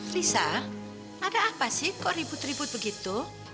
risa ada apa sih kok ribut ribut begitu